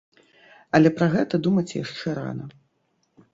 Але пра гэта думаць яшчэ рана.